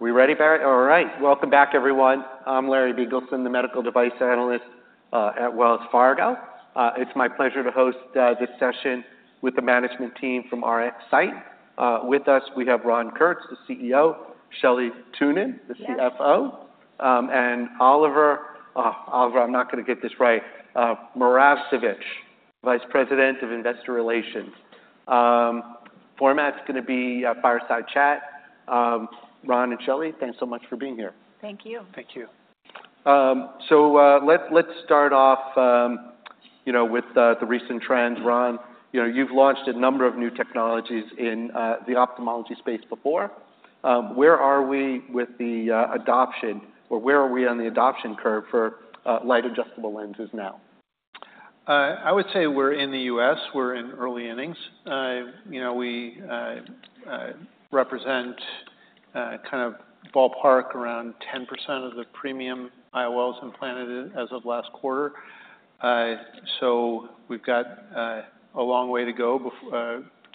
We ready, Barry? All right. Welcome back, everyone. I'm Larry Biegelsen, the medical device analyst, at Wells Fargo. It's my pleasure to host this session with the management team from RxSight. With us, we have Ron Kurtz, the CEO, Shelley Thunen- Yes the CFO, and Oliver, I'm not gonna get this right, Muratovic, Vice President of Investor Relations. Format's gonna be a fireside chat. Ron and Shelley, thanks so much for being here. Thank you. Thank you. So, let's start off, you know, with the recent trends. Ron, you know, you've launched a number of new technologies in the ophthalmology space before. Where are we with the adoption, or where are we on the adoption curve for Light Adjustable Lenses now? I would say we're in the US, we're in early innings. You know, we represent kind of ballpark around 10% of the premium IOLs implanted as of last quarter, so we've got a long way to go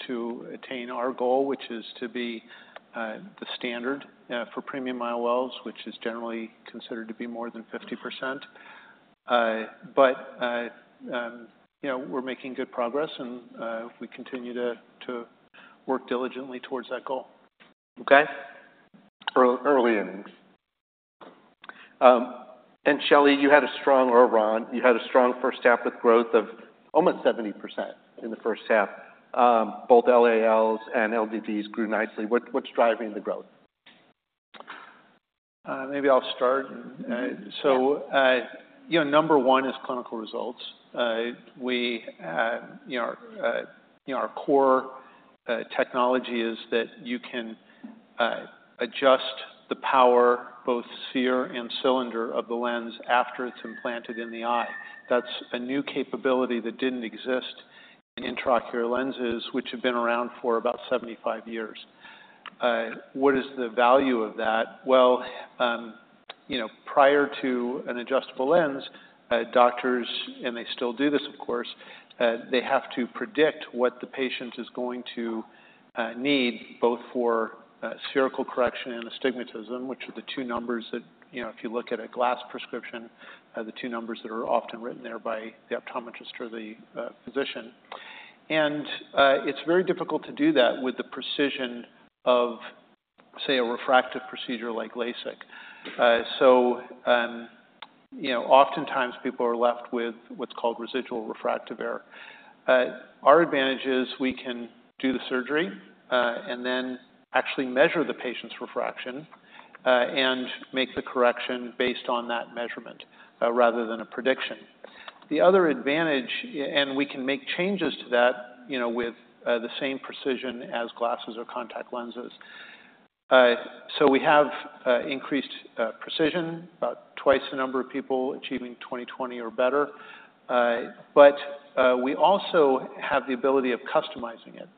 to attain our goal, which is to be the standard for premium IOLs, which is generally considered to be more than 50%, but you know, we're making good progress, and we continue to work diligently towards that goal. Okay. Early innings. And Shelley, you had a strong, or Ron, you had a strong first half with growth of almost 70% in the first half. Both LALs and LDDs grew nicely. What's driving the growth? Maybe I'll start. Mm-hmm. Yeah. So, you know, number one is clinical results. We, you know, our core technology is that you can adjust the power, both sphere and cylinder, of the lens after it's implanted in the eye. That's a new capability that didn't exist in intraocular lenses, which have been around for about seventy-five years. What is the value of that? Well, you know, prior to an adjustable lens, doctors, and they still do this, of course, they have to predict what the patient is going to need, both for spherical correction and astigmatism, which are the two numbers that, you know, if you look at a glasses prescription, the two numbers that are often written there by the optometrist or the physician. It's very difficult to do that with the precision of, say, a refractive procedure like LASIK. So, you know, oftentimes people are left with what's called residual refractive error. Our advantage is we can do the surgery, and then actually measure the patient's refraction, and make the correction based on that measurement, rather than a prediction. The other advantage, and we can make changes to that, you know, with the same precision as glasses or contact lenses. So we have increased precision, about twice the number of people achieving 20/20 or better. We also have the ability of customizing it.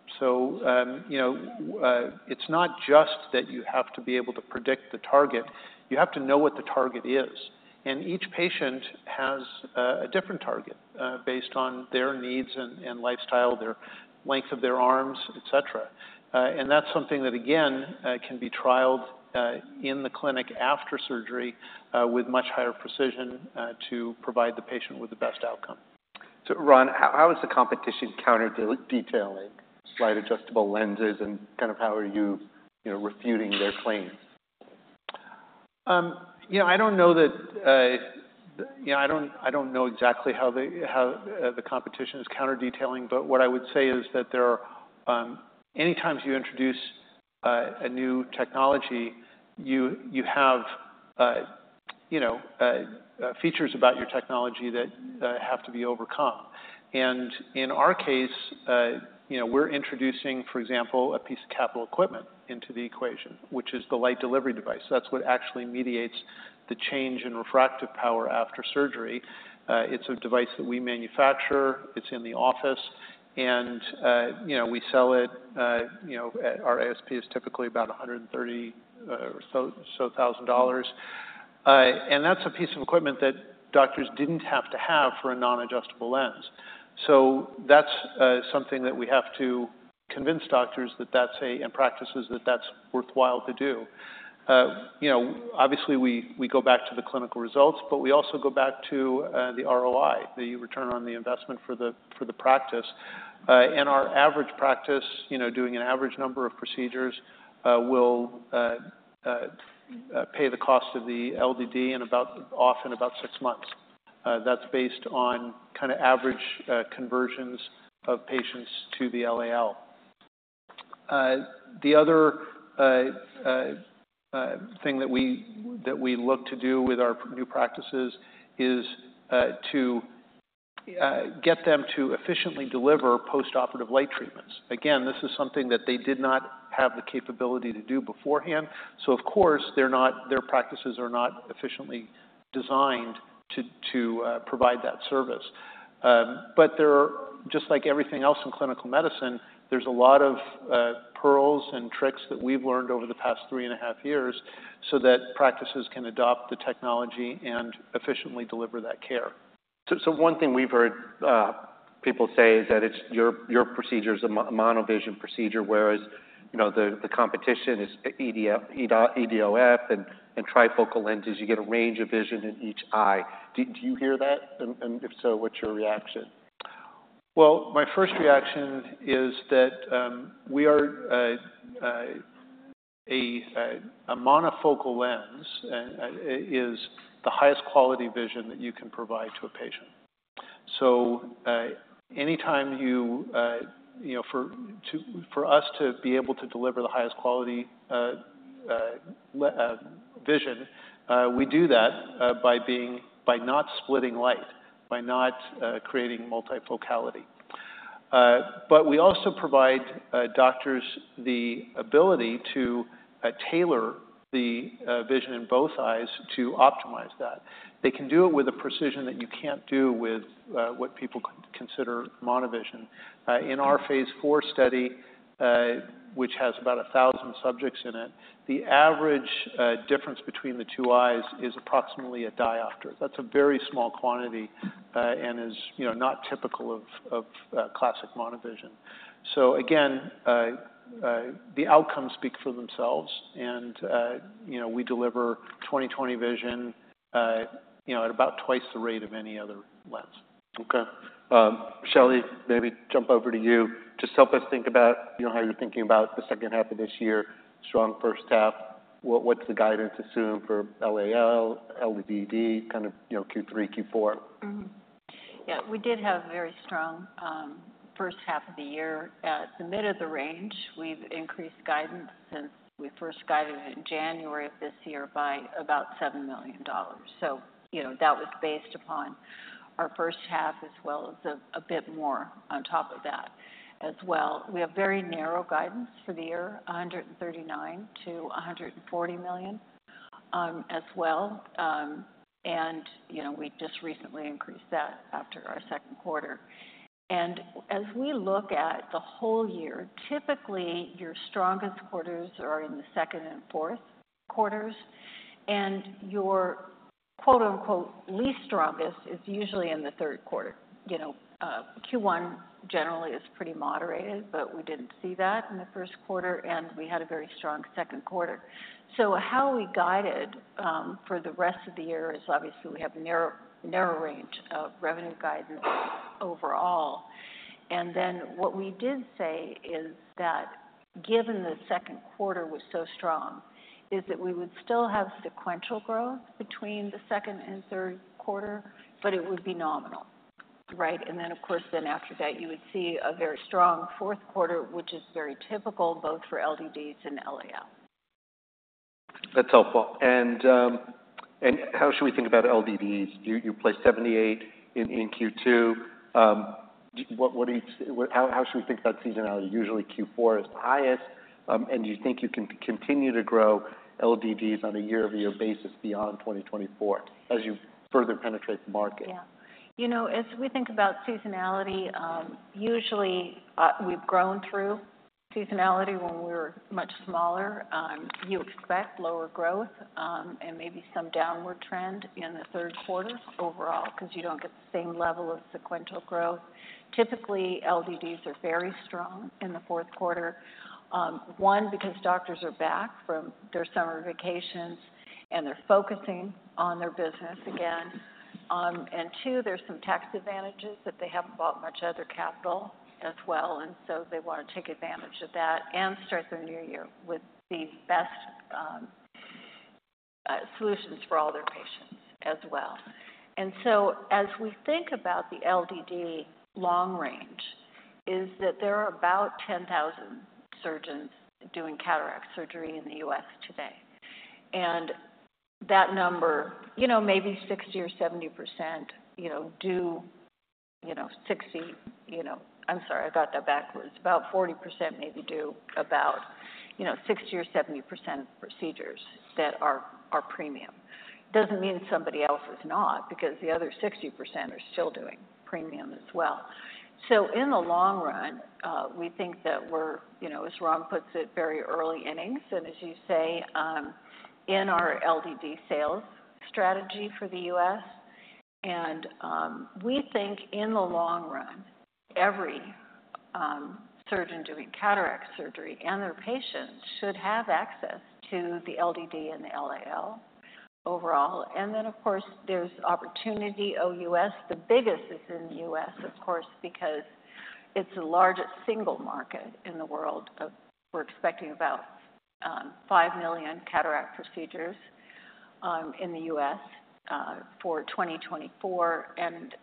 You know, it's not just that you have to be able to predict the target. You have to know what the target is, and each patient has a different target based on their needs and lifestyle, the length of their arms, et cetera. That's something that, again, can be trialed in the clinic after surgery with much higher precision to provide the patient with the best outcome. So Ron, how is the competition counter detailing Light Adjustable Lenses, and kind of how are you, you know, refuting their claims? You know, I don't know that. You know, I don't, I don't know exactly how the, how, the competition is counter detailing, but what I would say is that there are, anytime you introduce, a new technology, you, you have, you know, features about your technology that, have to be overcome. And in our case, you know, we're introducing, for example, a piece of capital equipment into the equation, which is the Light Delivery Device. That's what actually mediates the change in refractive power after surgery. It's a device that we manufacture, it's in the office, and, you know, we sell it, you know, at our ASP is typically about $130,000. And that's a piece of equipment that doctors didn't have to have for a non-adjustable lens. So that's something that we have to convince doctors and practices that that's worthwhile to do. You know, obviously, we go back to the clinical results, but we also go back to the ROI, the return on the investment for the practice. And our average practice, you know, doing an average number of procedures, will pay the cost of the LDD in about, often about six months. That's based on kind of average conversions of patients to the LAL. The other thing that we look to do with our new practices is to get them to efficiently deliver postoperative light treatments. Again, this is something that they did not have the capability to do beforehand, so of course, their practices are not efficiently designed to provide that service. But there are, just like everything else in clinical medicine, there's a lot of pearls and tricks that we've learned over the past three and a half years, so that practices can adopt the technology and efficiently deliver that care. One thing we've heard, people say that it's your procedure is a monovision procedure, whereas, you know, the competition is EDOF and trifocal lenses. You get a range of vision in each eye. Do you hear that? And if so, what's your reaction? My first reaction is that a monofocal lens is the highest quality vision that you can provide to a patient, so anytime, you know, for us to be able to deliver the highest quality vision, we do that by not splitting light, by not creating multifocality, but we also provide doctors the ability to tailor the vision in both eyes to optimize that. They can do it with a precision that you can't do with what people consider monovision. In our Phase 4 study, which has about 1,000 subjects in it, the average difference between the two eyes is approximately a diopter. That's a very small quantity, and is, you know, not typical of classic monovision. So again, the outcomes speak for themselves, and, you know, we deliver 20/20 vision, you know, at about twice the rate of any other lens. Okay. Shelley, maybe jump over to you. Just help us think about, you know, how you're thinking about the second half of this year, strong first half. What's the guidance to assume for LAL, LDD, kind of, you know, Q3, Q4? Mm-hmm. Yeah, we did have very strong first half of the year. At the mid of the range, we've increased guidance since we first guided in January of this year by about $7 million. So, you know, that was based upon our first half as well as a bit more on top of that as well. We have very narrow guidance for the year, $139 million-$140 million as well. You know, we just recently increased that after our second quarter. And as we look at the whole year, typically, your strongest quarters are in the second and fourth quarters, and your quote, unquote, "least strongest" is usually in the third quarter. You know, Q1 generally is pretty moderated, but we didn't see that in the first quarter, and we had a very strong second quarter. So how we guided for the rest of the year is obviously we have a narrow, narrow range of revenue guidance overall. And then what we did say is that, given the second quarter was so strong, is that we would still have sequential growth between the second and third quarter, but it would be nominal, right? And then, of course, then after that, you would see a very strong fourth quarter, which is very typical both for LDDs and LAL. That's helpful, and how should we think about LDDs? You placed 78 in Q2. How should we think about seasonality? Usually, Q4 is highest, and do you think you can continue to grow LDDs on a year-over-year basis beyond 2024 as you further penetrate the market? Yeah. You know, as we think about seasonality, usually, we've grown through seasonality when we were much smaller. You expect lower growth, and maybe some downward trend in the third quarter overall, 'cause you don't get the same level of sequential growth. Typically, LDDs are very strong in the fourth quarter. One, because doctors are back from their summer vacations, and they're focusing on their business again. And two, there's some tax advantages that they haven't bought much other capital as well, and so they wanna take advantage of that and start their new year with the best, solutions for all their patients as well. And so as we think about the LDD long range, is that there are about 10,000 surgeons doing cataract surgery in the U.S. today. And that number, you know, maybe 60% or 70%. I'm sorry, I got that backwards. About 40% maybe do about, you know, 60% or 70% of procedures that are premium. Doesn't mean somebody else is not, because the other 60% are still doing premium as well. So in the long run, we think that we're, you know, as Ron puts it, very early innings, and as you say, in our LDD sales strategy for the U.S. And we think in the long run, every surgeon doing cataract surgery and their patients should have access to the LDD and the LAL overall. And then, of course, there's opportunity OUS. The biggest is in the U.S., of course, because it's the largest single market in the world. We're expecting about five million cataract procedures in the U.S. for 2024. And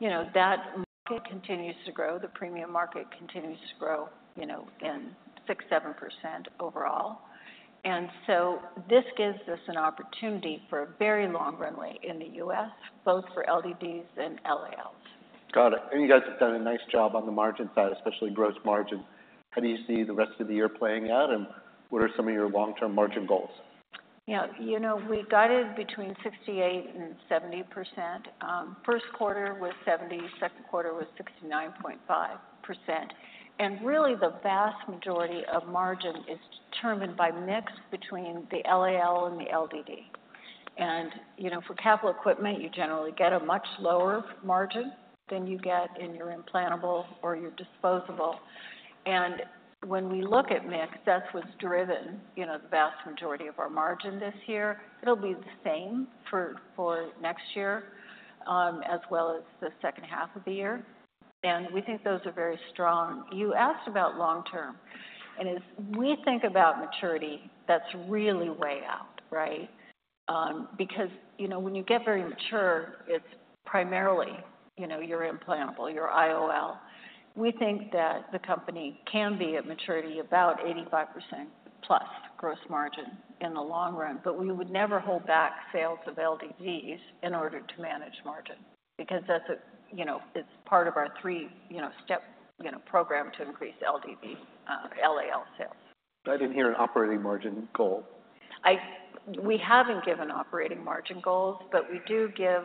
you know, that market continues to grow, the premium market continues to grow, you know, in 6%-7% overall. And so this gives us an opportunity for a very long runway in the U.S., both for LDDs and LALs. Got it. And you guys have done a nice job on the margin side, especially gross margin. How do you see the rest of the year playing out, and what are some of your long-term margin goals? Yeah. You know, we guided between 68% and 70%. First quarter was 70%, second quarter was 69.5%. And really, the vast majority of margin is determined by mix between the LAL and the LDD. And, you know, for capital equipment, you generally get a much lower margin than you get in your implantable or your disposable. And when we look at mix, that's what's driven, you know, the vast majority of our margin this year. It'll be the same for next year, as well as the second half of the year, and we think those are very strong. You asked about long term, and as we think about maturity, that's really way out, right? Because, you know, when you get very mature, it's primarily, you know, your implantable, your IOL. We think that the company can be at maturity about 85% plus gross margin in the long run, but we would never hold back sales of LDDs in order to manage margin because that's a, you know, it's part of our three, you know, step, you know, program to increase LDD, LAL sales. I didn't hear an operating margin goal. We haven't given operating margin goals, but we do give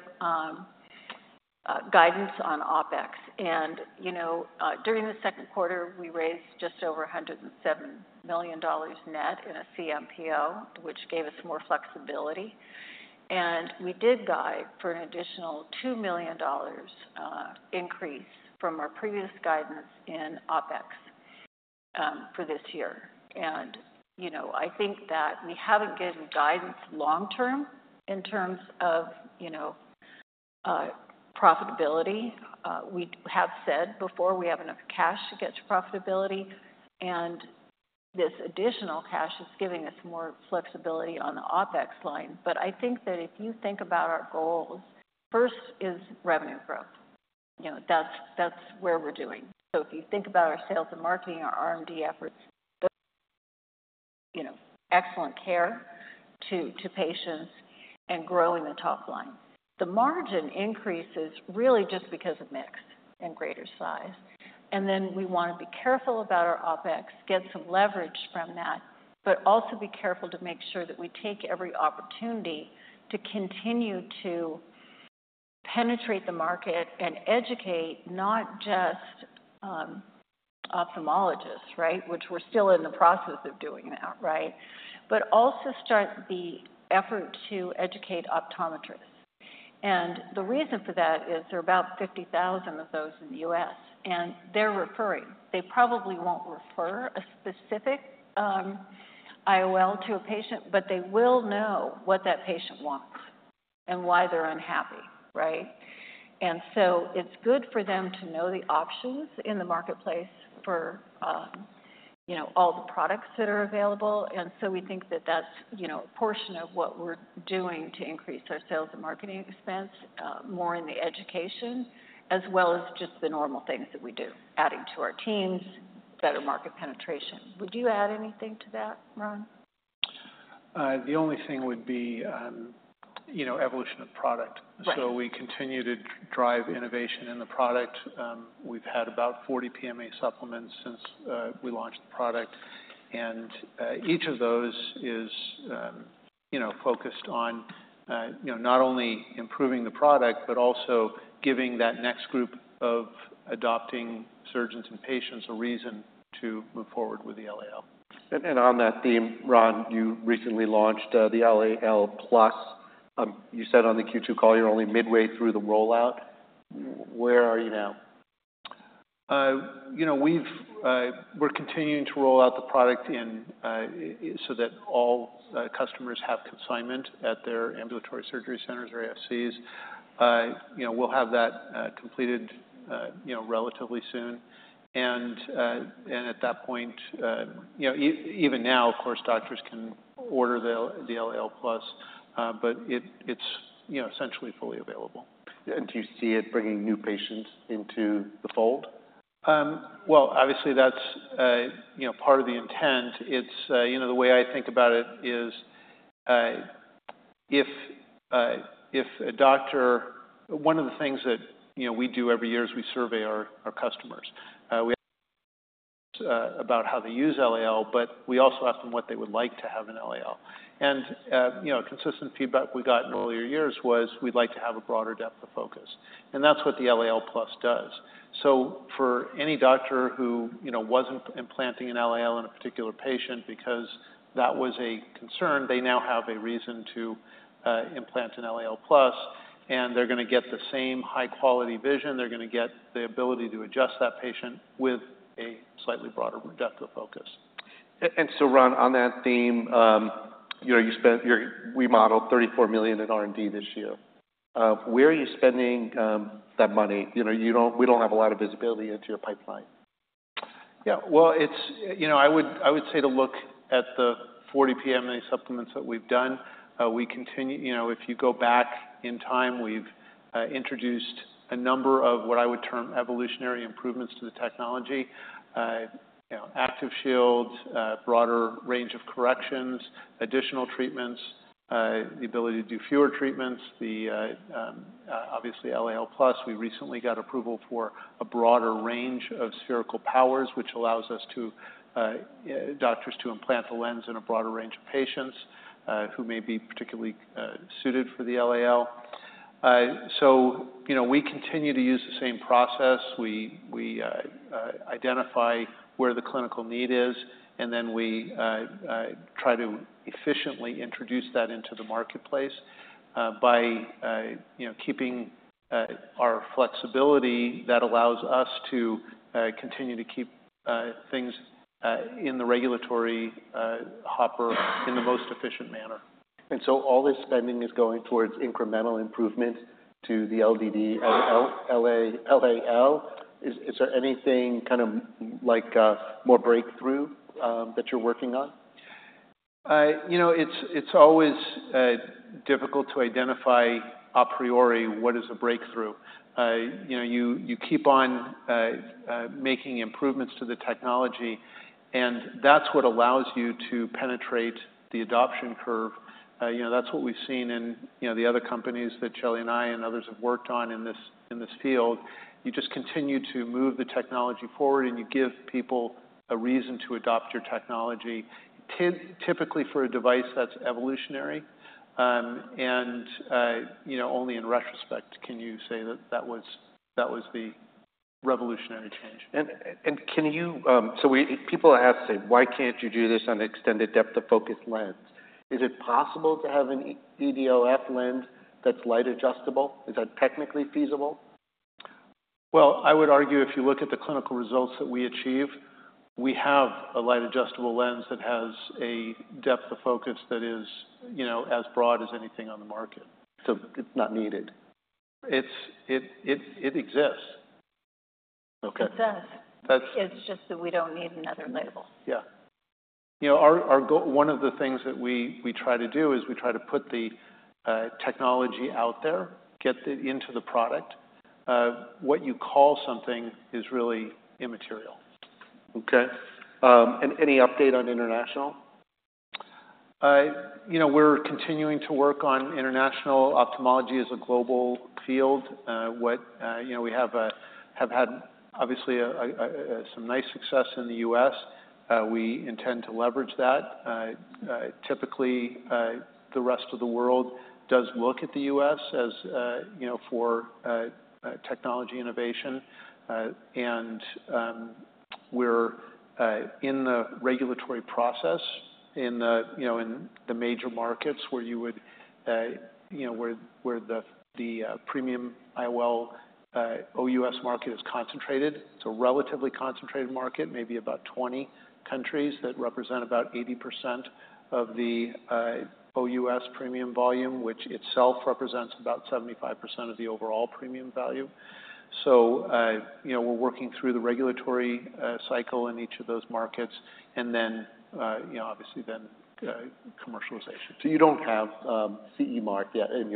guidance on OpEx. And, you know, during the second quarter, we raised just over $107 million net in a CMPO, which gave us more flexibility. And we did guide for an additional $2 million increase from our previous guidance in OpEx for this year. And, you know, I think that we haven't given guidance long term in terms of, you know, profitability. We have said before, we have enough cash to get to profitability, and this additional cash is giving us more flexibility on the OpEx line. But I think that if you think about our goals, first is revenue growth. You know, that's where we're doing. So if you think about our sales and marketing, our R&D efforts, you know, excellent care to patients and growing the top line. The margin increase is really just because of mix and greater size. And then we want to be careful about our OpEx, get some leverage from that, but also be careful to make sure that we take every opportunity to continue to penetrate the market and educate not just ophthalmologists, right? Which we're still in the process of doing that, right? But also start the effort to educate optometrists. And the reason for that is there are about fifty thousand of those in the US, and they're referring. They probably won't refer a specific IOL to a patient, but they will know what that patient wants and why they're unhappy, right? And so it's good for them to know the options in the marketplace for, you know, all the products that are available. And so we think that that's, you know, a portion of what we're doing to increase our sales and marketing expense, more in the education, as well as just the normal things that we do, adding to our teams, better market penetration. Would you add anything to that, Ron? The only thing would be, you know, evolution of product. Right. So we continue to drive innovation in the product. We've had about 40 PMA supplements since we launched the product, and each of those is, you know, focused on, you know, not only improving the product but also giving that next group of adopting surgeons and patients a reason to move forward with the LAL. On that theme, Ron, you recently launched the LAL+. You said on the Q2 call you're only midway through the rollout. Where are you now? You know, we've, we're continuing to roll out the product and, so that all customers have consignment at their ambulatory surgery centers or ASCs. You know, we'll have that completed, you know, relatively soon, and at that point, you know, even now, of course, doctors can order the LAL+, but it's, you know, essentially fully available. Do you see it bringing new patients into the fold? Well, obviously, that's, you know, part of the intent. It's, you know, the way I think about it is, if a doctor... One of the things that, you know, we do every year is we survey our customers about how they use LAL, but we also ask them what they would like to have in LAL, and you know, consistent feedback we got in earlier years was, "We'd like to have a broader depth of focus," and that's what the LAL+ does. So for any doctor who, you know, wasn't implanting an LAL in a particular patient because that was a concern, they now have a reason to implant an LAL+, and they're gonna get the same high-quality vision. They're gonna get the ability to adjust that patient with a slightly broader depth of focus. Ron, on that theme, you know, we modeled $34 million in R&D this year. Where are you spending that money? You know, we don't have a lot of visibility into your pipeline. Yeah. Well, it's, you know, I would say to look at the 40 PMA supplements that we've done. We continue, you know, if you go back in time, we've introduced a number of what I would term evolutionary improvements to the technology. You know, ActiveShields, broader range of corrections, additional treatments, the ability to do fewer treatments, the obviously LAL+. We recently got approval for a broader range of spherical powers, which allows us to, doctors to implant the lens in a broader range of patients, who may be particularly suited for the LAL. So, you know, we continue to use the same process. We identify where the clinical need is, and then we try to efficiently introduce that into the marketplace by, you know, keeping our flexibility that allows us to continue to keep things in the regulatory hopper in the most efficient manner. All this spending is going towards incremental improvement to the LDD, LAL. Is there anything kind of like more breakthrough that you're working on? You know, it's always difficult to identify a priori what is a breakthrough. You know, you keep on making improvements to the technology, and that's what allows you to penetrate the adoption curve. You know, that's what we've seen in, you know, the other companies that Shelley and I and others have worked on in this field. You just continue to move the technology forward, and you give people a reason to adopt your technology. Typically, for a device that's evolutionary, and you know, only in retrospect can you say that that was the revolutionary change. Can you. So people have said, "Why can't you do this on an extended depth of focus lens?" Is it possible to have an EDOF lens that's light adjustable? Is that technically feasible? I would argue, if you look at the clinical results that we achieve, we have a Light Adjustable Lens that has a depth of focus that is, you know, as broad as anything on the market. So it's not needed. It exists. Okay. It does. That's- It's just that we don't need another label. Yeah. You know, one of the things that we try to do is we try to put the technology out there, get it into the product. What you call something is really immaterial. Okay. And any update on international? You know, we're continuing to work on international. Ophthalmology is a global field. You know, we have had obviously some nice success in the U.S. We intend to leverage that. Typically, the rest of the world does look at the U.S. as you know for technology innovation. And we're in the regulatory process in the you know in the major markets where you would you know where the premium IOL OUS market is concentrated. It's a relatively concentrated market, maybe about 20 countries that represent about 80% of the OUS premium volume, which itself represents about 75% of the overall premium value. So, you know, we're working through the regulatory cycle in each of those markets, and then, you know, obviously then, commercialization. So you don't have CE Mark yet in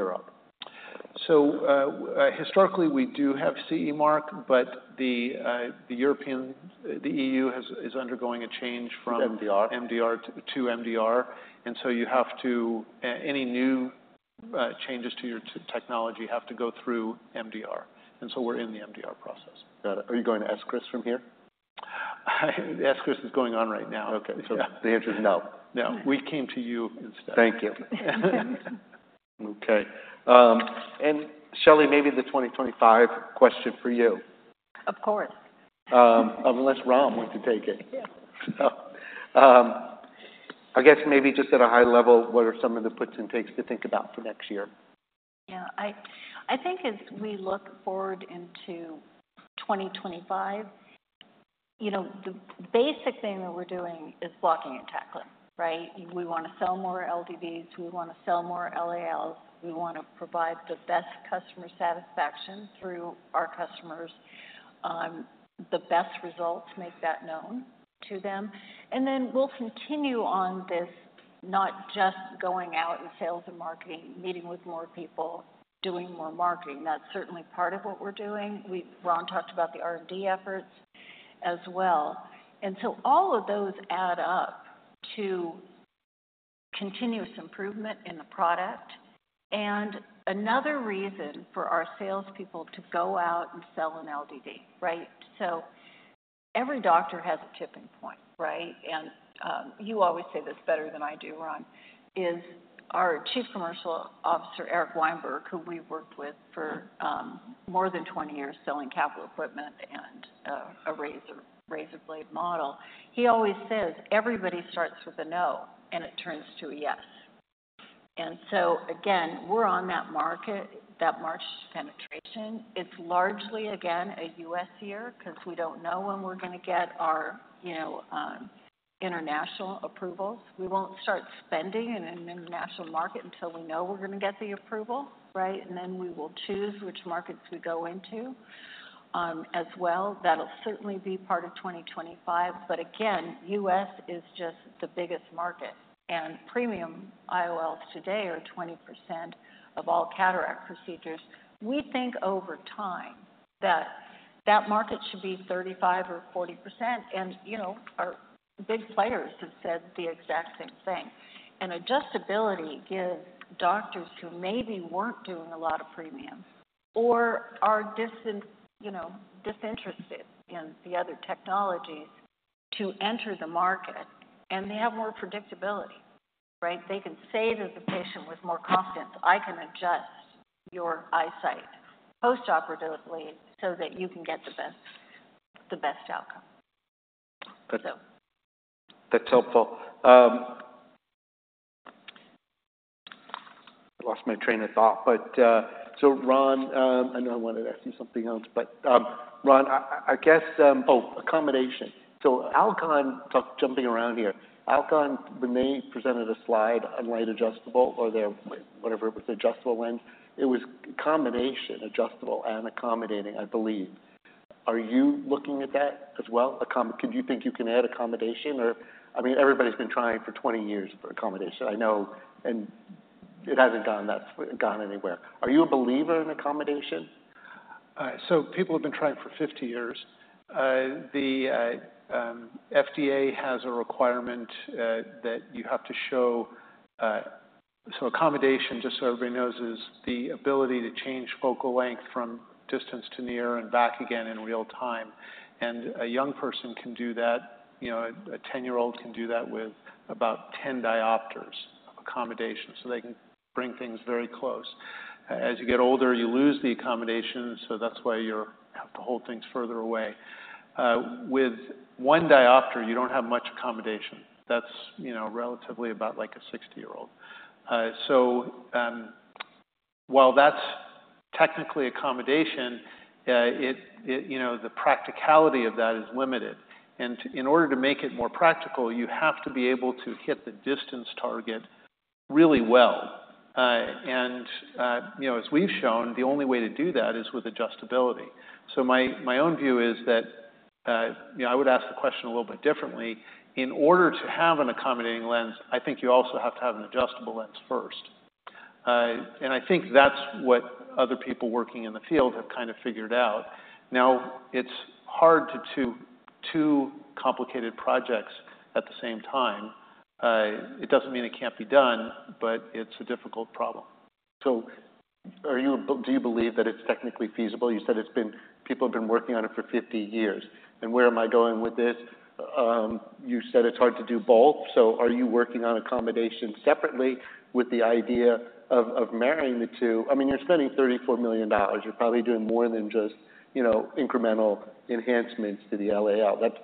Europe? Historically, we do have CE Mark, but the EU is undergoing a change from- MDR... MDR to MDR, and so any new changes to your technology have to go through MDR, and so we're in the MDR process. Got it. Are you going to ASCRS from here? ASCRS is going on right now. Okay. Yeah. So the answer is no. No. We came to you instead. Thank you. Okay, and Shelley, maybe the 2025 question for you. Of course. Unless Ron wants to take it. Yeah. So, I guess maybe just at a high level, what are some of the puts and takes to think about for next year? Yeah. I think as we look forward into twenty twenty-five, you know, the basic thing that we're doing is blocking and tackling, right? We wanna sell more LDDs, we wanna sell more LALs, we wanna provide the best customer satisfaction through our customers, the best results, make that known to them. And then we'll continue on this, not just going out in sales and marketing, meeting with more people, doing more marketing. That's certainly part of what we're doing. Ron talked about the R&D efforts as well. And so all of those add up to continuous improvement in the product, and another reason for our salespeople to go out and sell an LDD, right? So every doctor has a tipping point, right? You always say this better than I do, Ron, is our Chief Commercial Officer, Eric Weinberg, who we worked with for more than twenty years, selling capital equipment and a razor, razor blade model. He always says, "Everybody starts with a no, and it turns to a yes." So again, we're on that market, that march to penetration. It's largely, again, a U.S. year, 'cause we don't know when we're gonna get our, you know, international approvals. We won't start spending in an international market until we know we're gonna get the approval, right? And then we will choose which markets we go into, as well. That'll certainly be part of twenty twenty-five. But again, U.S. is just the biggest market, and premium IOLs today are 20% of all cataract procedures. We think over time that that market should be 35% or 40%, and, you know, our big players have said the exact same thing. Adjustability gives doctors who maybe weren't doing a lot of premium or are, you know, disinterested in the other technologies to enter the market, and they have more predictability, right? They can say to the patient with more confidence, "I can adjust your eyesight post-operatively so that you can get the best, the best outcome. Good. So. That's helpful. I lost my train of thought, but so Ron, I know I wanted to ask you something else, but Ron, I guess. Oh, accommodation. So Alcon, jumping around here, Alcon, Renee presented a slide on light adjustable or their whatever it was, adjustable lens. It was combination adjustable and accommodating, I believe. Are you looking at that as well, do you think you can add accommodation or, I mean, everybody's been trying for twenty years for accommodation, I know, and it hasn't gone anywhere. Are you a believer in accommodation? So people have been trying for 50 years. The FDA has a requirement that you have to show so accommodation, just so everybody knows, is the ability to change focal length from distance to near and back again in real time. And a young person can do that, you know, a 10-year-old can do that with about 10 diopters of accommodation, so they can bring things very close. As you get older, you lose the accommodation, so that's why you have to hold things further away. While that's technically accommodation, you know, the practicality of that is limited. And in order to make it more practical, you have to be able to hit the distance target really well. You know, as we've shown, the only way to do that is with adjustability. So my own view is that, you know, I would ask the question a little bit differently. In order to have an accommodating lens, I think you also have to have an adjustable lens first, and I think that's what other people working in the field have kind of figured out. Now, it's hard to do two complicated projects at the same time. It doesn't mean it can't be done, but it's a difficult problem. Do you believe that it's technically feasible? You said it's been; people have been working on it for 50 years. Where am I going with this? You said it's hard to do both, so are you working on accommodation separately with the idea of marrying the two? I mean, you're spending $34 million. You're probably doing more than just, you know, incremental enhancements to the LAL. That's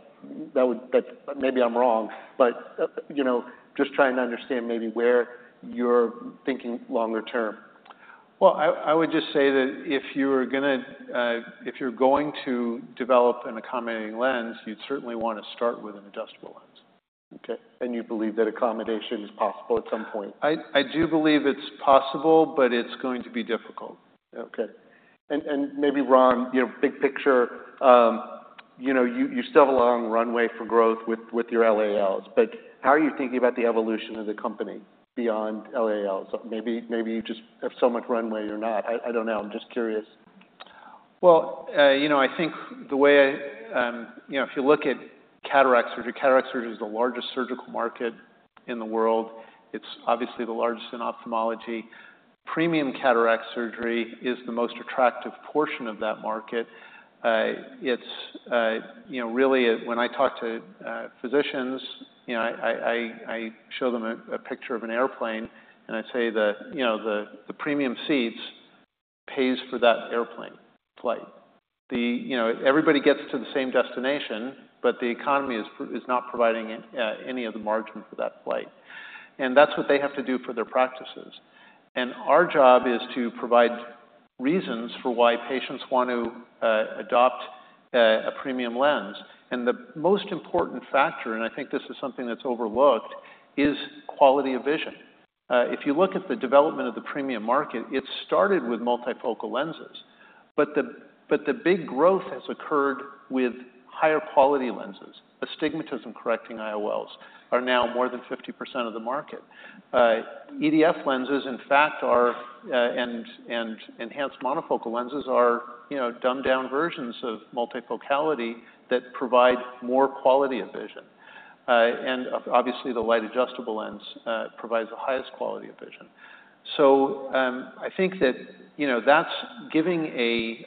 but maybe I'm wrong, but you know, just trying to understand maybe where you're thinking longer term. I would just say that if you're going to develop an accommodating lens, you'd certainly want to start with an adjustable lens. Okay, and you believe that accommodation is possible at some point? I do believe it's possible, but it's going to be difficult. Okay. And maybe Ron, you know, big picture, you know, you still have a long runway for growth with your LALs, but how are you thinking about the evolution of the company beyond LAL? So maybe you just have so much runway you're not. I don't know. I'm just curious. Well, you know, I think the way, you know, if you look at cataract surgery, cataract surgery is the largest surgical market in the world. It's obviously the largest in ophthalmology. Premium cataract surgery is the most attractive portion of that market. It's, you know, really, when I talk to physicians, you know, I show them a picture of an airplane, and I say that, you know, the premium seats pays for that airplane flight. The, you know, everybody gets to the same destination, but the economy is not providing any of the margin for that flight. And that's what they have to do for their practices. And our job is to provide reasons for why patients want to adopt a premium lens. The most important factor, and I think this is something that's overlooked, is quality of vision. If you look at the development of the premium market, it started with multifocal lenses, but the big growth has occurred with higher quality lenses. Astigmatism-correcting IOLs are now more than 50% of the market. EDOF lenses, in fact, and enhanced monofocal lenses are, you know, dumbed-down versions of multifocality that provide more quality of vision. Obviously, the Light Adjustable Lens provides the highest quality of vision. I think that, you know, that's giving a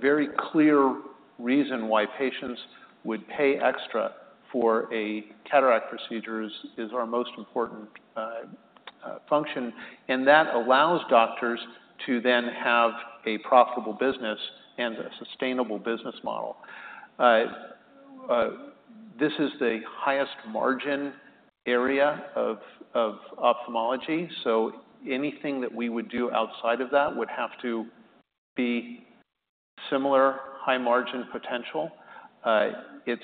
very clear reason why patients would pay extra for a cataract procedure. That is our most important function, and that allows doctors to then have a profitable business and a sustainable business model. This is the highest margin area of ophthalmology, so anything that we would do outside of that would have to be similar high margin potential. It's,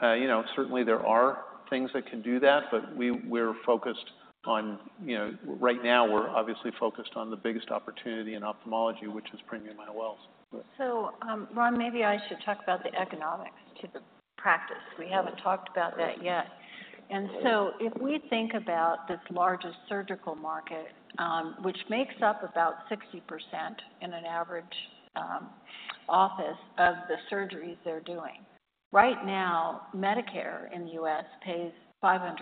you know, certainly there are things that can do that, but we're focused on, you know, right now, we're obviously focused on the biggest opportunity in ophthalmology, which is premium IOLs. So, Ron, maybe I should talk about the economics to the practice. We haven't talked about that yet. And so if we think about this largest surgical market, which makes up about 60% in an average office of the surgeries they're doing. Right now, Medicare in the U.S. pays $500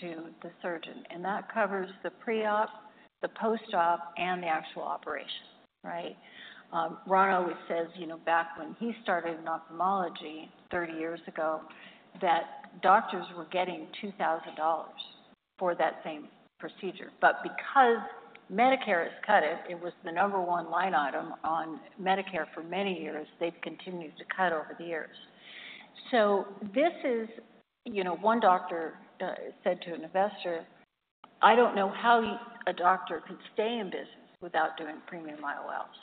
to the surgeon, and that covers the pre-op, the post-op, and the actual operation, right? Ron always says, you know, back when he started in ophthalmology 30 years ago, that doctors were getting $2,000 for that same procedure. But because Medicare has cut it, it was the number one line item on Medicare for many years, they've continued to cut over the years. So this is, you know, one doctor said to an investor: "I don't know how a doctor could stay in business without doing premium IOLs,"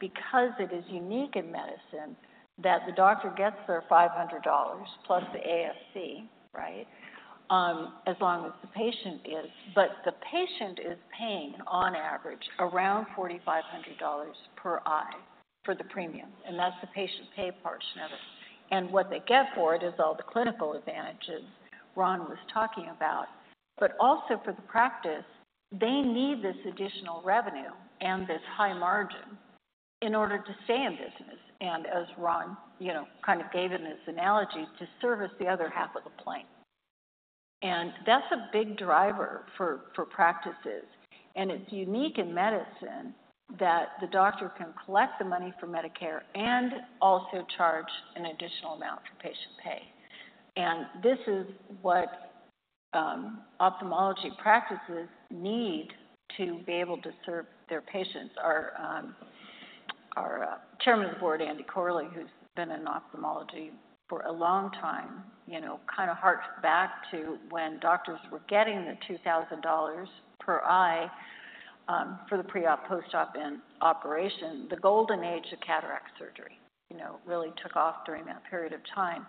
because it is unique in medicine that the doctor gets their $500 plus the ASC, right? But the patient is paying, on average, around $4,500 per eye for the premium, and that's the patient pay portion of it. And what they get for it is all the clinical advantages Ron was talking about. But also for the practice, they need this additional revenue and this high margin in order to stay in business, and as Ron, you know, kind of gave in his analogy, to service the other half of the plane. And that's a big driver for practices, and it's unique in medicine that the doctor can collect the money from Medicare and also charge an additional amount for patient pay. And this is what ophthalmology practices need to be able to serve their patients. Our chairman of the board, Andy Corley, who's been in ophthalmology for a long time, you know, kind of harks back to when doctors were getting the $2,000 per eye for the pre-op, post-op, and operation. The golden age of cataract surgery, you know, really took off during that period of time.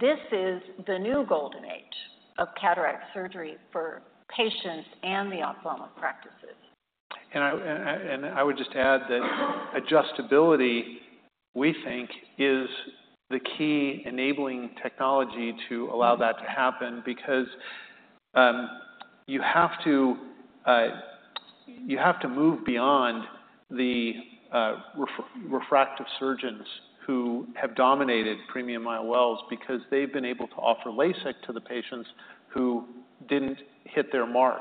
This is the new golden age of cataract surgery for patients and the ophthalmology practices. I would just add that adjustability, we think, is the key enabling technology to allow that to happen. Because you have to move beyond the refractive surgeons who have dominated premium IOLs because they've been able to offer LASIK to the patients who didn't hit their mark.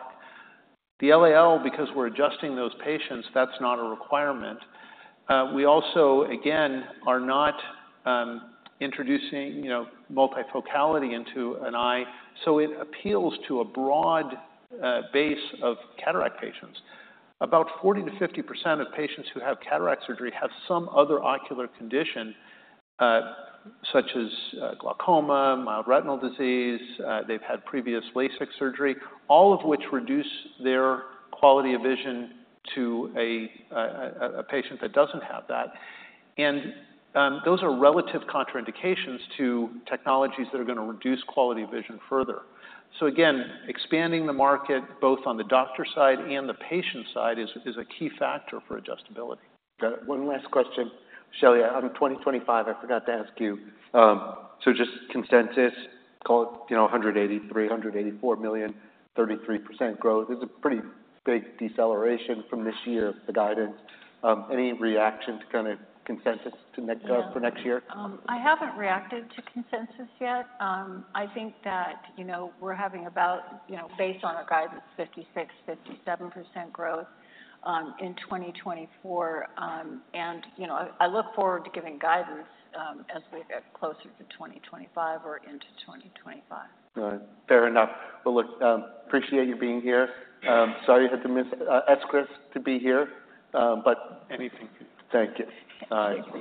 The LAL, because we're adjusting those patients, that's not a requirement. We also, again, are not introducing, you know, multifocality into an eye, so it appeals to a broad base of cataract patients. About 40%-50% of patients who have cataract surgery have some other ocular condition, such as glaucoma, mild retinal disease. They've had previous LASIK surgery, all of which reduce their quality of vision to a patient that doesn't have that. Those are relative contraindications to technologies that are gonna reduce quality of vision further. Again, expanding the market, both on the doctor side and the patient side, is a key factor for adjustability. Got it. One last question. Shelley, on twenty twenty-five, I forgot to ask you, so just consensus, call it, you know, $183 million-$184 million, 33% growth. It's a pretty big deceleration from this year, the guidance. Any reaction to kind of consensus to next, for next year? I haven't reacted to consensus yet. I think that, you know, we're having about, you know, based on our guidance, 56%-57% growth in twenty twenty-four, and you know, I, I look forward to giving guidance as we get closer to twenty twenty-five or into twenty twenty-five. All right. Fair enough. Well, look, appreciate you being here. Sorry you had to miss ASCRS to be here, but- Anything. Thank you. Bye.